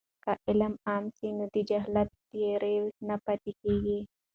که علم عام سي نو د جهالت تیارې نه پاتې کېږي.